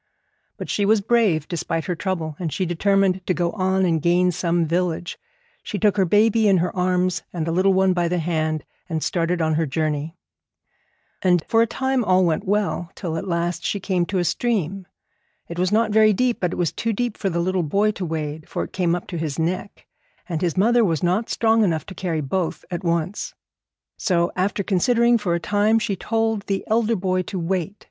But she was brave, despite her trouble, and she determined to go on and gain some village. She took her baby in her arms and the little one by the hand, and started on her journey. And for a time all went well, till at last she came to a stream. It was not very deep, but it was too deep for the little boy to wade, for it came up to his neck, and his mother was not strong enough to carry both at once. So, after considering for a time, she told the elder boy to wait.